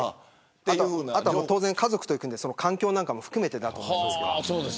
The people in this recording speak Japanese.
あと、家族と行くので環境なんかも含めてだと思います。